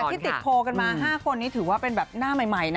ที่ติดโพลกันมา๕คนนี้ถือว่าเป็นแบบหน้าใหม่นะ